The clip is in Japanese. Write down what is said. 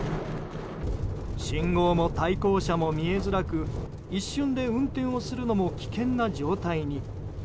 信号も対向車も見えづらく一瞬で、運転するのも危険な状態に。